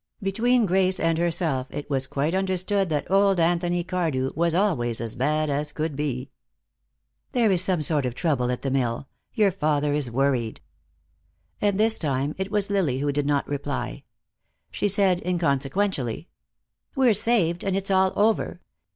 Between Grace and herself it was quite understood that old Anthony Cardew was always as bad as could be. "There is some sort of trouble at the mill. Your father is worried." And this time it was Lily who did not reply. She said, inconsequentially: "We're saved, and it's all over.